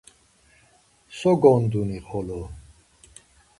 So gonduni xolo!